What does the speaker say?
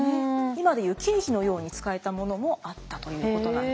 今で言う経費のように使えたものもあったということなんです。